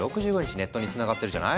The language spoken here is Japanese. ネットにつながってるじゃない？